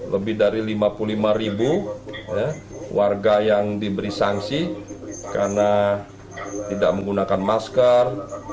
lebih dari lima puluh lima ribu warga yang diberi sanksi karena tidak menggunakan masker